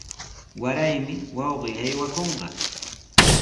Waraymi wawqii aywakunqa.